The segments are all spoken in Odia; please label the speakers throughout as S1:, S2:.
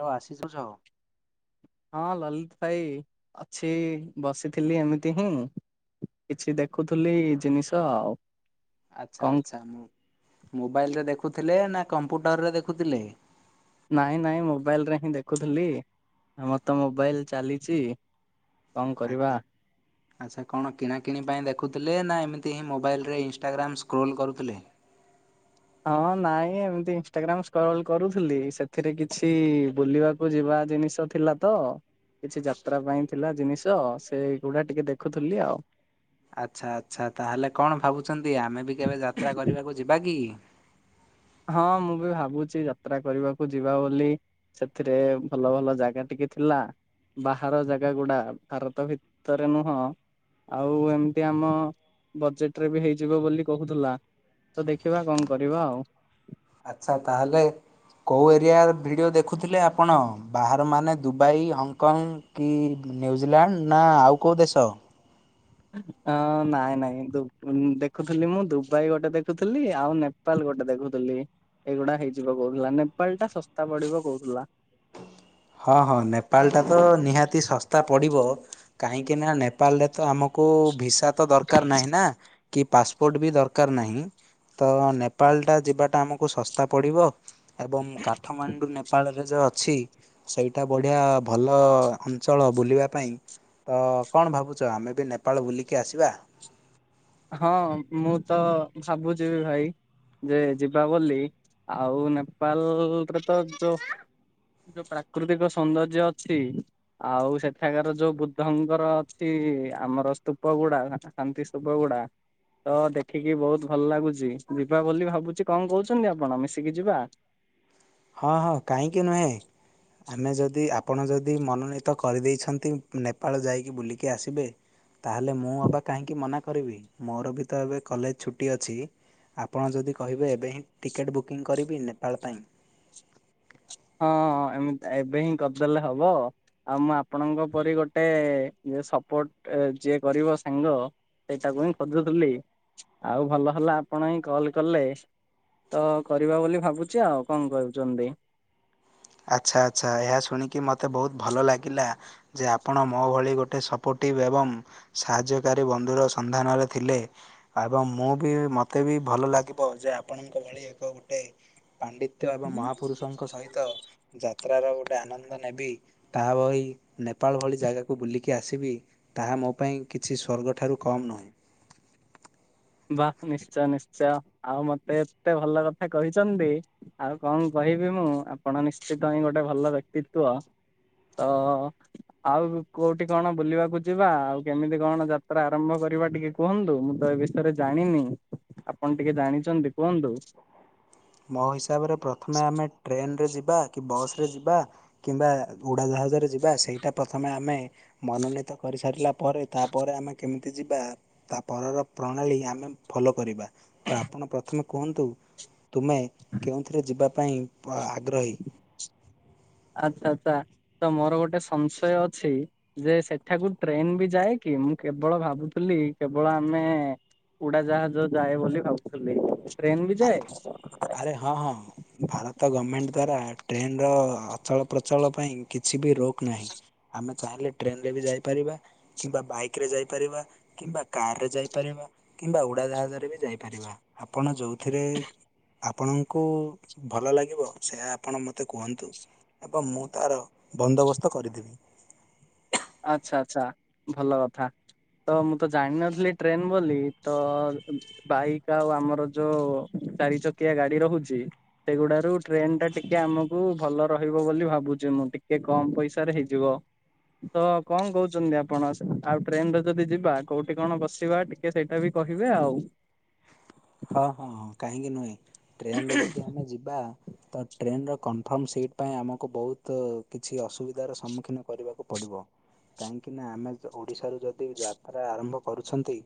S1: ହଉ ଆସିଶ୍ [inaudible]
S2: ହଁ ଲଲିତି ଭାଇ ଅଛି ବସିଥିଲି ଏମିତି ହୁଁ। କିଛି ଦେଖୁଥିଲି ଜିନିଷ ଆଉ। କଣ
S1: ଆଚ୍ଛା-ଆଚ୍ଛା ମୁଁ ମୋବାଇଲରେ ଦେଖୁଥିଲେ ନା କମ୍ପ୍ୟୁଟରରେ ଦେଖୁଥିଲେ?
S2: ନାଇଁ-ନାଇଁ ମୋବାଇଲରେ ହିଁ ଦେଖୁଥିଲି ଆମର ତ ମୋବାଇଲ ଚାଲିଛି। କଣ କରିବା
S1: ଆଚ୍ଛା। ଆଚ୍ଛା କଣ କିଣାକିଣି ପାଇଁ ଦେଖୁଥିଲେ, ନା ଏମିତି ହିଁ ମୋବାଇଲରେ ଇନଷ୍ଟାଗ୍ରାମ୍ ସ୍କ୍ରୋଲ୍ କରୁଥିଲେ?
S2: ହଁ ନାଇଁ ଏମିତି ଇନଷ୍ଟଟାଗ୍ରାମ ସ୍କ୍ରଲ୍ କରୁଥିଲି ସେଥିରେ କିଛି ବୁଲିବା କୁ ଯିବା ଜିନିଷ ଥିଲା ତ କିଛି ଯାତ୍ରା ପାଇଁ ଥିଲା ଜିନିଷ ସେଗୁଡ଼ା ଟିକେ ଦେଖୁଥିଲି ଆଉ।
S1: ଆଚ୍ଛା-ଆଚ୍ଛା ତାହେଲେ କଣ ଭାବୁଛନ୍ତି ଆମେ ବି କେବେ ଯାତ୍ରା କରିବାକୁ ଯିବା କି?
S2: ହଁ ମୁଁ ବି ଭାବୁଛି ଯାତ୍ରା କରିବାକୁ ଯିବା ବୋଲି। ସେଥିରେ ଭଲ-ଭଲ ଜାଗା ଟିକେ ଥିଲା। ବାହାର ଜାଗା ଗୁଡା ଭାରତ ଭିତରେ ନୁହଁ। ଆଉ ଏମିତି ଆମ ବଜେଟ୍ ରେ ବି ହେଇଯିବ ବୋଲି କହୁଥିଲା। ତ ଦେଖିବା କଣ କରିବା ଆଉ।
S1: ଆଚ୍ଛା ତାହାଲେ କେଉଁ ଏରିଆ ଭିଡ଼ିଓ ଦେଖୁଥିଲେ ଆପଣ ବାହାରମାନେ ଦୁବାଇ ହଂକଙ୍ଗ? କି ନ୍ୟୁଜିଲାଣ୍ଡ ନା ଆଉ କେଉଁ ଦେଶ?
S2: ଅ ନାଇଁ ନାଇଁ ଦୁ ମୁଁ ଦେଖୁଥିଲି ମୁଁ ଦୁବାଇ ଗୋଟେ ଦେଖୁଥିଲି ଆଉ ନେ ନେପାଲ ଗୋଟେ ଦେଖୁଥିଲି ଏଇଗୁଡା ହେଇଯିବ କହୁଥିଲା ନେପାଲଟା ଶସ୍ତା ପଡିବ କହୁଥିଲା।
S1: ହଁ ହଁ ନେପାଲଟାତ ନିହାତି ଶସ୍ତା ପଡିବ। କାହିଁକିନା ନେପାଳରେତ ଆମକୁ ଭିସାତ ଦରକାର ନାହିଁନା। କି ପାସ୍ପୋର୍ଟବି ଦରକାର ନାହିଁ ତ ନେପାଳଟା ଯିବାଟା ଆମକୁ ଶସ୍ତା ପଡିବ। ଏବଂ କାଠମାଣ୍ଡୁ ନେପାଳରେ ଯ ଛି ସେଇଟା ବଢିଆ ଭଲ ଅଞ୍ଚଳ ବୁଲିବା ପାଇଁ ତ କଣ ଭାବୁଛ ଆମେବି ନେପାଳ ବୁଲିକି ଆସିବା?
S2: ହଁ ମୁଁ ତ ଭାବୁଚିବି ଭାଇ। ଯେ ଯିବା ବୋଲି ଆଉ ନେପାଲଲଲରେତ ଯଉ ଯୋଉ ପ୍ରାକୃତିକ ସୌନ୍ଦର୍ଯ୍ୟ ଅଛି। ଆଉ ସେଠାକାର ଯୋଉ ବୁଦ୍ଧଙ୍କର ଅଛି ଆମର ସ୍ତୁପ ଗୁଡା ଶାନ୍ତି ସ୍ତୁପ ପଗୁଡା ତ ଦେଖିକି ବହୁତ ଭଲ ଲାଗୁଛି ଯିବାବୋଲି ଭାବୁଚି କଣ କହୁଛନ୍ତି ଆପଣ ମିଶିକି ଯିବା?
S1: ହଁ ହଁ କାହିଁକି ନୁହେଁ। ଆମେ ଯଦି ଆପଣ ଯଦି ମନୋନୀତ କରିଦେଇଛନ୍ତି ନେପାଳ ଯାଇକି ବୁଲିକି ଆସିବେ। ତାହେଲେ ମୁଁ ଅବା କାହିଁକି ମନା କରିବି ମୋରବିତ ଏବେ କଲେଜ ଛୁଟି ଅଛି। ଆପଣ ଯଦି କହିବେ ଏବେହିଁ ଟିକେଟ ବୁକିଂ କରିବି ନେପାଳ ପାଇଁ।
S2: ହଁ ହଁ ହଁ ଏମତି ଏବେହିଁ କରିଦେଲେ ହବ ଆଉ ମୁଁ ଆପଣଙ୍କ ପରି ଗୋଟେ ଯିଏ ସପୋର୍ଟ ଯିଏ କରିବ ସାଙ୍ଗ ସେଇଟାକୁହିଁ ଖୋଜୁଥିଲି। ଆଉ ଭଲ ହେଲା ଆପଣହିଁ କଲକଲେ। ତ କରିବା ବୋଲି ଭାବୁଚି ଆଉ କଣ କରୁଚନ୍ତି?
S1: ଆଚ୍ଛା ଆଚ୍ଛା ଏହା ଶୁଣିକି ମୋତେ ବହୁତ ଭଲ ଲାଗିଲା। ଯେ ଆପଣ ମୋଭଳି ଗୋଟେ ସପୋର୍ଟିଭ୍ ଏବଂ ସାହାଯ୍ୟକାରୀ ବନ୍ଧୁର ସନ୍ଦାନରେ ଥିଲେ। ଏବଂ ମୁଁବି ମୋତେବି ଭଲ ଲାଗିବ ଯେ ଆପଣଙ୍କ ଭଳି ଏକ ଗୋଟେ ପାଣ୍ଡିତ ତ୍ୟ ଏବଂ ମହାପୁରୁଷଙ୍କ ସହିତ ଯାତ୍ରାର ଗୋଟେ ଆନନ୍ଦ ନେବି ତାହା ବହି ନେପାଳ ଭଳି ଜାଗାକୁ ବୁଲିକି ଆସିବି ତାହା ମୋପାଇଁ କିଛି ସ୍ୱର୍ଗ ଠାରୁ କମନୁହେଁ।
S2: ବାଃ ନିଶ୍ଚୟ ନିଶ୍ଚୟ ଆଉ ମତେ ଏତେ ଭଲ କଥା କହିଛନ୍ତି। ଆଉ କଣ କହିବି ମୁଁ ଆପଣ ନିଶ୍ଚିତହିଁ ଗୋଟେ ଭଲ ବ୍ୟକ୍ତିତ୍ଵ? ଅଁ। ଆଉ କୋଉଠି କଣ ବୁଲିବାକୁ ଯିବା ଆଉ କେମିତି କଣ ଯାତ୍ରା ଆରମ୍ଭ କରିବା ଟିକେ କୁହନ୍ତୁ ମୁଁତ ଏବେ? ବିଷୟରେ ଜାଣିନି ଆପଣ ଟିକେ ଜାଣିଚନ୍ତି କୁହନ୍ତୁ।
S1: ମୋ ହିସାବରେ ପ୍ରଥମେ ଆମେ ଟ୍ରେନରେ ଯିବା କି ବସରେ ଯିବା କିମ୍ବା ଉଡ଼ାଜାହାଜରେ ଯିବା ସେଇଟା ପ୍ରଥମେ ଆମେ ମନୋନୀତ କରିସାରିଲା ପରେ ତାପରେ ଆମେ କେମିତି ଯିବା। ତା ପରର ପ୍ରଣାଳୀ ଆମେ ଫଲୋ କରିବା ତ ଆପଣ ପ୍ରଥମେ କୁହନ୍ତୁ। ତୁମେ କେଉଁଥିରେ ଯିବା ପାଇଁ ପ ଆଗ୍ରହୀ।
S2: ଆଚ୍ଛା ଆଚ୍ଛା ତ ମୋର ଗୋଟେ ସଂଶୟ ଅଛି। ଯେ ସେଠାକୁ ଟ୍ରେନବି ଯାଏକି ମୁଁ କେବଳ ଭାବୁଥିଲି କେବଳ ଆମେ ଉଡାଜାହାଜ ଯାଏ ବୋଲି ଭାବୁଥିଲି ଟ୍ରେନବି ଯାଏ।
S1: ଆରେ ହଁ ହଁ ଭାରତ ଗମେଣ୍ଟ ଦ୍ଵାରା ଟ୍ରେନର ଅଚଳ ପ୍ରଚଳ ପାଇଁ କିଛିବି ରୋକ ନାହିଁ। ଆମେ ଚାହିଁଲେ ଟ୍ରେନରେବି ଯାଇପାରିବା କିମ୍ବା ବାଇକରେ ଯାଇପାରିବା କିମ୍ବା କାରରେ ଯାଇପାରିବା କିମ୍ବା ଉଡାଜାହାଜରେବି ଯାଇପାରିବା। ଆପଣ ଯୋଉ ଥିରେ ଆପଣଙ୍କୁ ଭଲ ଲାଗିବ ସେୟା ଆପଣ ମୋତେ କୁହନ୍ତୁ। ଏବଂ ମୁଁ ତାର ବନ୍ଦୋବସ୍ତ କରିଦେବି।
S2: ଆଛା ଆଚ୍ଛା ଭଲ କଥା। ତ ମୁଁ ତ ଜାଣିନଥିଲି ଟ୍ରେନ ବୋଲି ତ ବାଇକ୍ ଆଉ ଆମର ଯୋଉ ଚାରି ଚକିଆ ଗାଡି ରହୁଚି ସେଗୁଡାରୁ ଟ୍ରେନ ଟା ଟିକେ ଆମକୁ ଭଲ ରହିବ ବୋଲି ଭାବୁଛି ମୁଁ ଟିକେ କମ ପଇସାରେ ହେଇଯିବ। ତ କଣ କହୁଚନ୍ତି ଆପଣ ଆଉ ଟ୍ରେନ ରେ ଯଦି ଯିବା କୋଉଠି କଣ ବସିବା ଟି ଟିକେ ସେଇଟା ବି କହିବେ ଆଉ।
S1: ହଁ ହଁ କାହିଁକି ନୁହେଁ ଟ୍ରେନରେ ଯଦି ଆମେ ଯିବା ତ ଟ୍ରେନର କନଫର୍ମ ସିଟ୍ ପାଇଁ ଆମକୁ ବହୁତ କିଛି ଅସୁବିଧାର ସମ୍ମୁଖୀନ କରିବାକୁ ପଡ଼ିବ। କାହିଁକି ନା ଆମେ ଯ ଓଡିଶାରୁ ଯଦି ଯାତ୍ରା ଆରମ୍ଭ କରୁଛନ୍ତି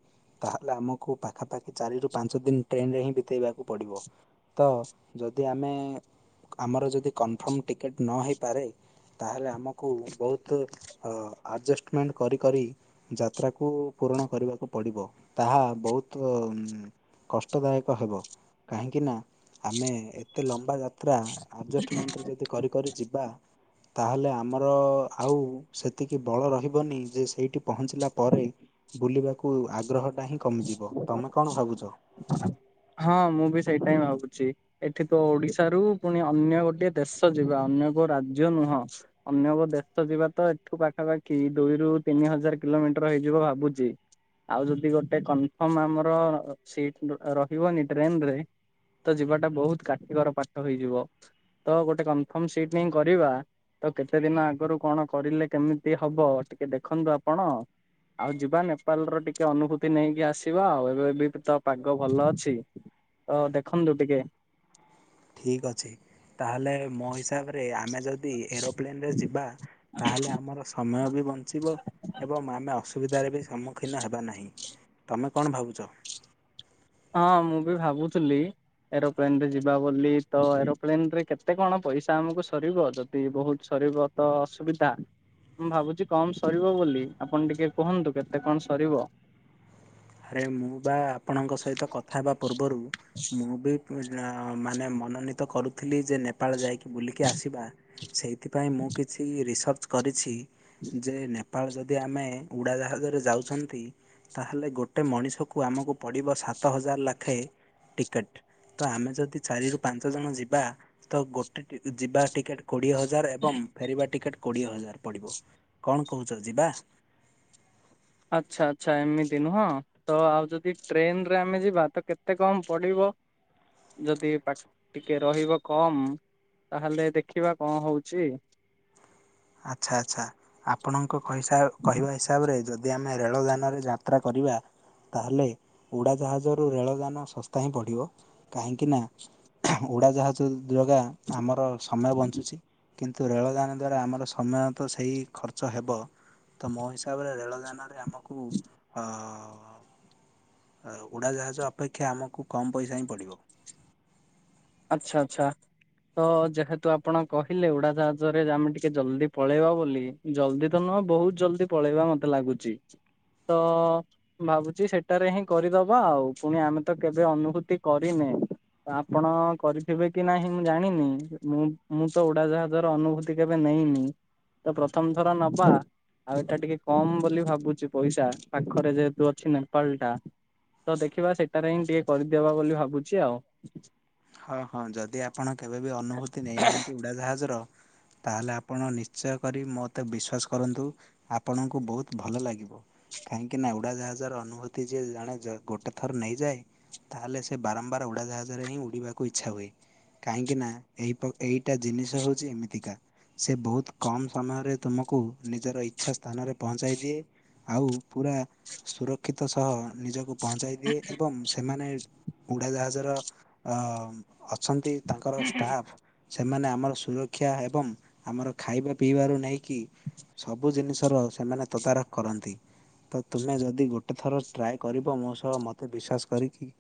S1: ତାହେଲେ ଆମକୁ ପାଖାପାଖି ଚାରି ରୁ ପାଞ୍ଚ ଦିନି ଟ୍ରେନରେ ହିଁ ବିତେଇବାକୁ ପଡ଼ିବ ତ ଯଦି ଆମେ ଆମର ଯଦି କନଫର୍ମ ଟିକେଟ୍ ନ ହେଇପାରେ ତାହେଲେ ଆମକୁ ବହୁତ ଆଜେଷ୍ଟେମେଣ୍ଟ କରି କରି ଯାତ୍ରାକୁ ପୂରଣ କରିବାକୁ ପଡ଼ିବ ତାହା ବହୁତ କଷ୍ଟଦାୟକ ହେବ କାହିଁକି ନା ଆମେ ଏତେ ଲମ୍ବା ଯାତ୍ରା ଆଜେଷ୍ଟେମେଣ୍ଟ ଯଦି କରି କରି ଯିବା ତାହେଲେ ଆମର ଆଉ ସେତିକି ବଳ ରହିବନି ଯେ ସେଇଟି ପହଞ୍ଚିଲା ପରେ ବୁଲିବାକୁ ଆଗ୍ରହ ଟା ହିଁ କମିଯିବ ତମେ କଣ ଭାବୁଚ?
S2: ହଁ ମୁଁ ବି ସେଇଟା ହଁ ଭାବୁଚି। ଏଠି ତ ଓଡିଶାରୁ ପୁଣି ଅନ୍ୟ ଗୋଟେ ଦେଶ ଯିବା ଅନ୍ୟ କୋଉ ରାଜ୍ୟ ନୁହଁ। ଅନ୍ୟ କୋଉ ଦେଶ ଯିବା ତ ଏଠୁ ପାଖାପାଖି ଦୁଇରୁ ତିନି ହଜାର କିଲୋମିଟର ହେଇଯିବ ଭାବୁଚି। ଆଉ ଯଦି ଗୋଟେ କନଫର୍ମ ଆମର ସିଟ୍ ରହିବନି ଟ୍ରେନରେ ତ ଯିବାଟା ବହୁତ କାଠିକର ପାଠ ହେଇଯିବ ତ ଗୋଟେ କନଫର୍ମ ସିଟ୍ ନେଇ କରିବା ତ କେତେ ଦିନ ଆଗରୁ କଣ କରିଲେ କେମିତି ହବ ଟିକେ ଦେଖନ୍ତୁ ଆପଣ। ଆଉ ଯିବା ନେପାଲ ର ଟିକେ ଅନୁଭୂ ଭୂତି ନେଇକି ଆସିବା ଆଉ ଏବେ ବି ତ ପାଗ ଭଲ ଅଛି। ଅ ଦେଖନ୍ତୁ ଟିକେ।
S1: ଠିକ୍ ଅଛି। ତାହେଲେ ମୋ ହିସାବରେ ଆମେ ଯଦି ଏରୋପ୍ଲେନରେ ଯିବା ତାହେଲେ ଆମର ସମୟ ବି ବଞ୍ଚିବ ଏବଂ ଆମେ ଅସୁବିଧାରେ ବି ସମ୍ମୁଖୀନ ହେବା ନାହିଁ। ତମେ କଣ ଭାବୁଛ?
S2: ହଁ ମୁଁ ବି ଭାବୁଥିଲି ଏରୋପ୍ଲେନ୍ ରେ ଯିବା ବୋଲି ତ ଏରୋପ୍ଲେନ୍ ରେ କେତେ କଣ ପଇସା ଆମକୁ ସରିବ? ଯଦି ବହୁତ ସରିବ ତ ଅସୁବିଧା। ମୁଁ ଭାବୁଛି କମ୍ ସରିବ ବୋଲି ଆପଣ ଟିକେ କୁହନ୍ତୁ କେତେ କଣ ସରିବ?
S1: ଆରେ ମୁଁ ବା ଆପଣଙ୍କ ସହିତ କଥା ହେବା ପୂର୍ବରୁ ମୁଁ ବି ମାନେ ମନୋନୀତ କରୁଥିଲି ଯେ ନେପାଳ ଯାଇକି ବୁଲିକି ଆସିବା ସେଇ ଏଥିପାଇଁ ମୁଁ କିଛି ରିସର୍ଚ୍ଚ କରିଛି ଯେ ନେ ପାଳ ଯଦି ଆମେ ଉଡ଼ାଜାହାଜରେ ଯାଉଛନ୍ତି ତାହେଲେ ଗୋ ଟେ ମଣିଷକୁ ଆମକୁ ପଡ଼ିବ ସାତ ହଜାର ଲାଖେ ଟିକେଟ୍। ତ ଆମେ ଯଦି ଚାରିରୁ ପାଞ୍ଚ ଜଣ ଯିବା ତ ଗୋଟେ ଟି ଯିବା ଟିକେଟ୍ କୋଡିଏ ହଜାର ଏବଂ ଫେରିବା ଟିକେଟ୍ କୋଡିଏ ହଜାର ପଡିବ। କଣ କହୁଚ ଯିବା?
S2: ଆଚ୍ଛା, ଆଚ୍ଛା, ଏମିତିି ନୁହଁ। ତ ଆଉ ଯଦି ଟ୍ରେନ୍ ରେ ଆମେ ଯିବା ତ କେତେ କମ୍ ପଡିବ? ଯଦି ପା ଟିକେ ରହିବ କମ୍ ତାହେଲେ ଦେଖିବା କଣ ହଉଛି?
S1: ଆଚ୍ଛା ଆଚ୍ଛା ଆପଣଙ୍କ କହିସା କହିବା ହିସାବରେ ଯଦି ଯଦି ଆମେ ରେଳ ଯାନରେ ଯାତ୍ରା କରିବା ତାହେଲେ ଉଡ଼ାଜାହାଜରୁ ରେଳ ଯାନ ଶସ୍ତା ହିଁ ପଡ଼ିବ, କାହିଁକିନା ଉଡ଼ାଜାହାଜ ଯଗା ଆମର ସମୟ ବଞ୍ଚୁଛି, କିନ୍ତୁ ରେଳଯାନ ଦ୍ଵାରା ଆମର ସ ସମୟ ତ ସେଇ ଖର୍ଚ୍ଚ ହେବ ତ ମୋ ହିସାବରେ ରେଳଯାନରେ ଆମେ ମକୁ ଅ ଅ ଉଡ଼ାଜାହାଜ ଅପେକ୍ଷା ଆମକୁ କମ୍ ପଇସା ହିଁ ପଡ଼ିବ।
S2: ଆଚ୍ଛା, ଆଚ୍ଛା। ତ ଯେହେତୁ ଆପଣ କହିଲେ ଉଡାଜାହଜରେ ଆମେ ଟିକେ ଜଲ୍ଦି ପଳେଇବା ବୋଲି ଜଲ୍ଦି ତ ନୁହଁ ବହୁତ ଜଲ୍ଦି ପଳେଇବା ମତେ ଲାଗୁଛି, ତ ଭାବୁଛି ସେଟାରେ ହିଁ କରିଦବା ଆଉ ପୁଣି ଆମେ ତ କେବେ ଅନୁଭୂତି କରିନେ। ଆପଣ କରିଥିବେ କି ନାହିଁ ମୁଁ ଜାଣିନି, ମୁଁ, ମୁଁ ତ ଉଡାଜାହଜର ଅନୁଭୂତି କେବେ ନେଇନି। ତ ପ୍ରଥମଥର ନବା ଆଉ ଏଟା ଟିକେ କମ୍ ବୋଲି ଭାବୁଛି ପଇସା ପାଖରେ ଯେହେତୁ ଅଛି ନେପାଳ ଟା। ତ ଦେଖିବା ସେଟାରେ ହିଁ ଟିକେ କରିଦେବା ବୋଲି ଭାବୁଛି ଆଉ।
S1: ହଁ ହଁ ଯଦି ଆପଣ କେବେ ବି ଅନୁଭୂତି ନେଇନାହାନ୍ତି ଉଡାଜାହଜର ତାହେଲେ ଆପଣ ନିଶ୍ଚୟ କରି ମୋତେ ବିଶ୍ୱାସ କରନ୍ତୁ। ଆପଣଙ୍କୁ ବହୁତ ଭଲ ଲାଗିବ। କାହିଁକି ନା ଉଡାଜାହାଜର ଅନୁଭୂତି ଯିଏ ଜଣେ ଗୋଟେ ଥର ନେଇଯାଏ। ତାହେଲେ ସେ ବାରମ୍ବାର ଉଡ଼ାଜାହାଜରେ ହିଁ ଉଡ଼ିବାକୁ ଇଚ୍ଛା ହୁଏ। କାହିଁକି ନା ଏଇପ ଏଇଟା ଜିନିଷ ହଉଛି ଏମିତିକା। ସେ ବହୁତ କମ୍ ସମୟରେ ତୁମକୁ ନିଜର ଇଚ୍ଛା ସ୍ଥାନରେ ପହଞ୍ଚାଇ ଦିଏ। ଆଉ ପୁରା ସୁରକ୍ଷିତ ସହ ନିଜକୁ ପହଞ୍ଚାଇ ଦିଏ ଏବଂ ସେମାନେ ଉଡ଼ାଜାହଜର ଅ ଅଛନ୍ତି ତାଙ୍କର ଷ୍ଟାଫ୍ ସେମାନେ ଆମର ସୁରକ୍ଷା ଏବଂ ଆମର ଖାଇବା ପିଇବାରୁ ନେଇକି ସବୁ ଜିନିଷ ର ସେମାନେ ତଦାରଖ କରନ୍ତି। ତ ତୁମେ ଯଦି ଗୋଟେ ଥର ଟ୍ରାଏ କରିବ ମୋ ସହ ମତେ ବିଶ୍ଵାସ କରିକି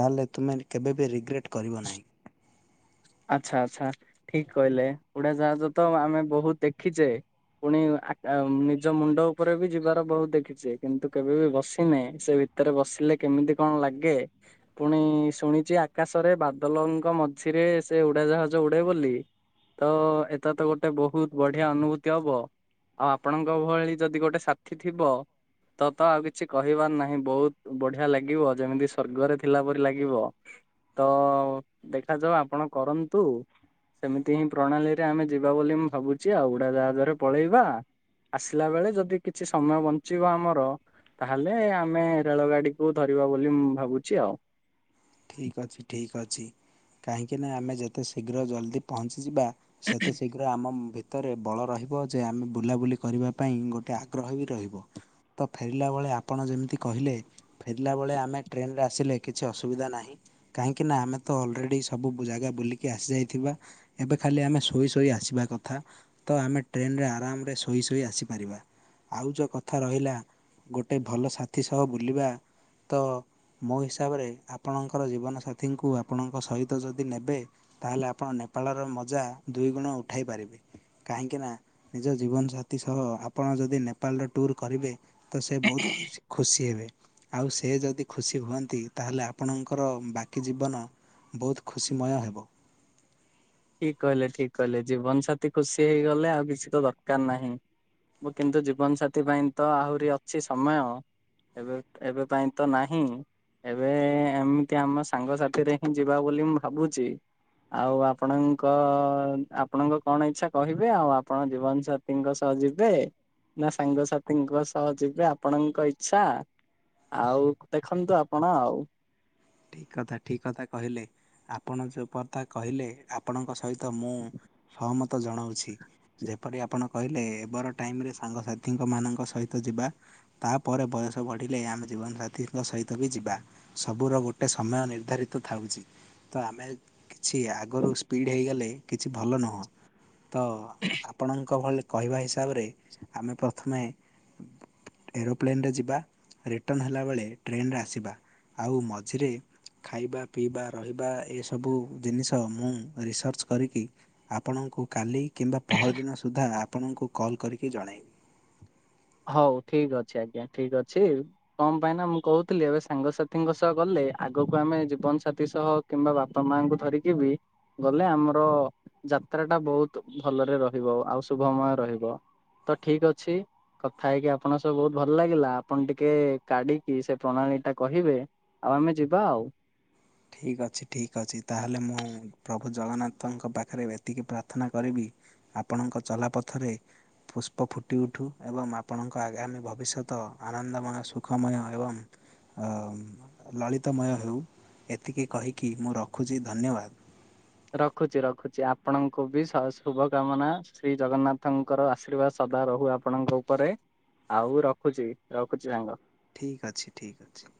S1: ତାହେଲେ ତୁମେ କେବେ ବିି ରିଗ୍ରେଟ୍ କରିବ ନାହିଁ।
S2: ଆଚ୍ଛା, ଆଚ୍ଛା ଠିକ୍ କହିଲେ ଉଡାଯାହଜ ତ ଆମେ ବହୁତ ଦେଖିଛେ। ପୁଣି ଆକା ନିଜ ମୁଣ୍ଡ ଉପରେ ବି ଯିବାର ବହୁତ ଦେଖିଛେ କିନ୍ତୁ କେବେ ବି ବସିନେ ସେ ଭି ଭିତରେ ବସିଲେ କେମିତି କଣ ଲାଗେ? ପୁଣି ଶୁଣିଛି ଆକାଶରେ ବାଦଲଙ୍କ ମଝିରେ ସେ ଉଡାଜାହାଜ ଉଡେ ବୋଲି। ତ ଏଟ୍ଟା ତ ଗୋଟେ ବହୁତ ବଢିଆ ଅନୁଭୂତି ହବ। ଆଉ ଆପଣଙ୍କ ଭଳି ଯଦି ଗୋଟେ ସାଥିୀ ଥିବ। ତ ତ ଆଉ କିଛି କହିବାର ନାହିଁ ବହୁତ ବଢିଆ ଲାଗିବ ଯେମିତି ସ୍ଵର୍ଗରେ ଥିଲା ପରି ଲାଗିବ। ତ ଦେଖାଯାଉ ଆପଣ କରନ୍ତୁ। ସେମିତି ହିଁ ପ୍ରଣାଳୀରେ ଆମେ ଯିବା ବୋଲି ମୁଁ ଭାବୁଛି ଆଉ ଉଡା ଯାହାଦଵରେ ପଳେଇବା। ଆସିଲା ବେଳେ ଯଦି କିଛି ସମୟ ବଞ୍ଚିବ ଆମର ତାହେଲେ ଆମେ ରେଳଗାଡିକୁୁ ଧରିବା ବୋଲିଁ ମୁଁ ଭାବୁଛି ଆଉ।
S1: ଠିକ୍ ଅଛି ଠିକ୍ ଅଛି କାହିଁକିନା ଆମେ ଯେତେ ଶୀଘ୍ର ଜଲ୍ଦି ପହଞ୍ଚିଯିବା ସେତେ ଶୀଘ୍ର ଆମ ଭି ହତରେ ବଳ ରହିବ ଯେ ଆମେ ବୁଲାବୁଲି କରିବା ପାଇଁ ଗୋଟେ ଆଗ୍ରହ ବି ରହିବ। ତ ଫେରିଲା ବେଳେ ଆପଣ ଯେମିତି କହିଲେ ଫେରିଲା ବେଳେ ଆମେ ଟ୍ରେନ୍ରରେ ଆସିଲେ କିଛି ଅସୁବିଧା ନାହିଁ କାହିଁକି ନା ଆମେ ତ ଅଲରେଡି ସବୁ ଜାଗା ବୁଲିକି ଆସି ଯାଇଥିବା। ଏବେ ଖାଲି ଆମେ ଶୋଇ ଶୋଇ ଆସିବା କଥା। ତ ଆମେ ଟ୍ରେନରେ ଆରାମରେ ଶୋଇ ଶୋଇ ଆସିପାରିବା। ଆଉ ଯ କଥା ରହିଲା ଗୋଟେ ଭଲ ସାଥି ସହ ବୁଲିବା ତ ମୋ ହିସାବରେ ଆପଣଙ୍କର ଜୀବନ ସାାଥୀଙ୍କୁ ଆପଣଙ୍କ ସହିତ ଯଦି ନେବେ ତାହେଲେ ଆପଣ ନେପାଳର ମଜା ଦୁଇ ଗୁଣ ଉଠାଇ ପାରିବେ। କାହିଁକିନା ନିଜ ଜୀବନସାଥୀ ସହ ଆପଣ ଯଦି ନେପାଳର ଟୁର୍ କରିବେ ତ ସେ ବହୁତ ଖୁସି ଖୁସି ହେବେ ଆଉ ସେ ଯଦି ଖୁସି ହୁଅନ୍ତି ତାହେଲେ ଆ ପଣଙ୍କର ବାକି ଜୀବନ ବହୁତ ଖୁସିମୟ ହେବ।
S2: ଠିକ କହିଲେ ଠିକ କହିଲେ ଜୀବନ ସାଥୀ ଖୁସି ହେଇଗଲେ ଆଉ କିଛି ତ ଦରକାର ନାହିଁ। ମୁ କିନ୍ତୁ ଜୀବନ ସାାଥି ପାଇଁ ତ ଆହୁରି ଅଛି ସମୟ ଏବେ ଏବେ ପାଇଁ ତ ନାହିଁ। ଏବେ ଏମିତି ଆମ ସାଙ୍ଗସାଥିରେ ହିଁ ଯିବା ବୋଲି ମୁଁ ଭାବୁଚି ଆଉ ଆ ଆପଣଙ୍କ ଆପଣଙ୍କ କଣ ଇଚଛା କହିବେ ଆଉ ଆପଣ ଜୀବନ ସାାଥୀଙ୍କ ସହ ଯିବେ। ନା ସାଙ୍ଗସାଥିଙ୍କ ସହ ଯିବେ ଆପଣଙ୍କ ଇଚ୍ଛା ଆଉ ଦେଖନ୍ତୁ ଆପଣ ଆଉ।
S1: ଠିକ କଥା ଠିକ କଥା କହିଲେ ଆପଣ ଯୋଉ ପତା କହିଲେ ଆପଣଙ୍କ ସହିତ ତ ମୁଁ ସହମତ ଜଣଉଚି। ଯେପରି ଆପଣ କହିଲେ ଏ ବର ଟାଇମରେ ସାଙ୍ଗସାଥୀଙ୍କ ମାନଙ୍କ ସହିତ ଯିବା ତାପରେ ବୟସ ବଢ଼ିଲେ ଆମେ ଜୀବନସାଥୀଙ୍କ ସହିତ ବି ଯିବା ସବୁର ଗୋ ଟେ ସମୟ ନିର୍ଦ୍ଧାରିତ ଥାଉଛି ତ ଆମେ କିଛି ଆଗରୁ ସ୍ପିଡ଼୍ ହୋଇଗଲେ କିଛି ଭଲ ନୁହଁ ତ ଆପଣଙ୍କ ଭଳି କହିବା ହିସାବରେ ଆମେ ପ୍ରଥମେ ଏରୋପ୍ଲେନ ରେ ଯିବା ରିଟର୍ଣ ହେଲା ବେଳେ ଟ୍ରେନ ରେ ଆସିବା ଆଉ ମ ଝିରେ ଖାଇବା ପିଇବା ରହିବା ଏସବୁ ଜିନିଷ ମୁଁ ରିସର୍ଚ୍ଚ କରିକି ଆପଣଙ୍କୁ କାଲି କିମ୍ବା ପହରଦିନ ସୁଦ୍ଧା ଆପଣଙ୍କୁ କଲ୍ କରିକି ଜଣାଇବି।
S2: ହଉ ଠିକ ଅଛି ଆଜ୍ଞା ଠିକ ଅଛି। କଣ ପାଇଁ ନା ମୁଁ କହୁଥିଲି ଏବେ ସାଙ୍ଗସାଥିଙ୍କ ସହ ଗଲେ ଆଗକୁ ଆମେ ଜୀବନ ସାଥୀ ସହ କିମ୍ବା ବାପା ମାଙ୍କୁ ଧରିକି ବି ଗଲେ ଆମର ଯାତ୍ରା ଟା ବହୁତ ଭଲରେ ରହିବ ଆଉ ଶୁଭମୟ ରହିବ। ତ ଠିକ ଅଛି କଥା ହେଇକି ଆପଣଙ୍କ ସବ ବହୁତ ଭଲ ଲାଗିଲା, ଆପଣ ଟିକେ କାଢିକି ସେ ପ୍ରଣାଳୀ ଟା କହିବେ ଆଉ ଆମେ ଯିବା ଆଉ।
S1: ଠିକ୍ ଅଛି ଠିକ୍ ଅଛି ତାହେଲେ ମୁଁ ପ୍ରଭୁ ଜଗନ୍ନାଥଙ୍କ ପାଖରେ ଏତିକି ପ୍ରାର୍ଥନା କରିବି ଆପଣଙ୍କ ଚଲାପଥରେ ପୁଷ୍ପ ଫୁଟି ଉଠୁ ଏବଂ ଆପଣଙ୍କ ଆଗାମୀ ଭବିଷ୍ୟତ ଆନନ୍ଦମୟ ସୁଖମୟ ଏବଂ ଲଳିତାମୟ ହେଉ। ଟିକେ କହିକି ମୁଁ ରଖୁଚି ଧନ୍ୟବାଦ।
S2: ରଖୁଚି ରଖୁଚି ଆପଣଙ୍କୁ ବି ଶୁଭ କାମନା ଶ୍ରୀ ଜଗନ୍ନାଥଙ୍କର ଆଶୀର୍ବାଦ ସଦା ରହୁ ଆ ଆପଣଙ୍କ ଉପରେ ଆଉ ରଖୁଚି ରଖୁଚି ସାଙ୍ଗ।
S1: ଠିକ୍ ଅଛି। ଠିକ୍ ଅଛି।